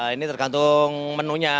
ini tergantung menunya